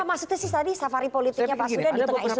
apa maksudnya safari politiknya pak surya di tengah istri safo